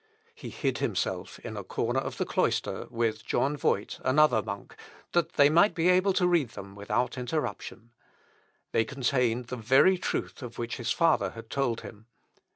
He hid himself in a corner of the cloister, with John Voit, another monk, that they might be able to read them without interruption. They contained the very truth of which his father had told him.